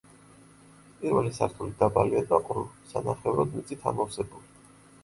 პირველი სართული დაბალია და ყრუ, სანახევროდ მიწით ამოვსებული.